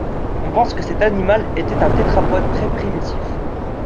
On pense que cet animal était un tétrapode très primitif.